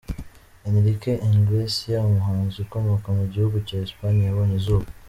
Enrique Iglesias, umuhanzi ukomoka mu gihugu cyaEspagne yabonye izuba.